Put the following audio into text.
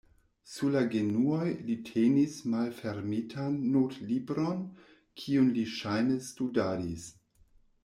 Sur la genuoj li tenis malfermitan notlibron, kiun li ŝajne studadis.